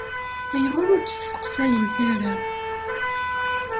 Ayɣer ur tt-testeqsayemt ara?